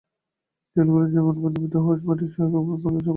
দেয়ালগুলো যেনতেনভাবে নির্মিত হওয়ায় মাটিসহ তার একটি ভেঙে শ্রমিকদের ওপরে পড়েছে।